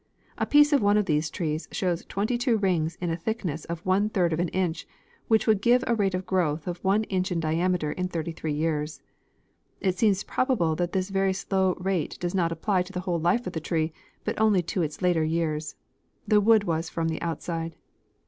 A piece of one of these trees shows 22 rings in a thickness of one third of an inch, which would give a rate of growth of one inch in diameter in 33 years. It seems probable that this very slow rate does not apply to the whole life of the tree, but only to its later years. The wood was from the outside.